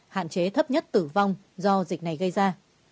hạn chế thấp nhất tử vong do dịch này gây ra